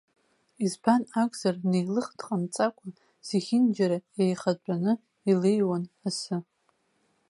Избан акәзар, неилых дҟамҵакәа, зегьынџьара еихатәаны илеиуан асы.